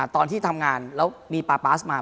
ตอนที่ทำงานแล้วมีปาป๊าสมา